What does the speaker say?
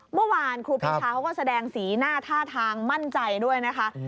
ครูปีชาเขาก็แสดงสีหน้าท่าทางมั่นใจด้วยนะคะ